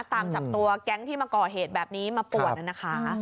ตามจับตัวแก๊งที่มาก่อเหตุแบบนี้มาป่วนนะคะ